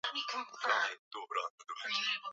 Leo ni siku ndefu sana.